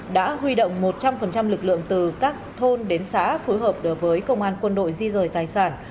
đã huy động một trăm linh lực lượng từ các thôn đến xã phối hợp đối với công an quân đội di rời tài sản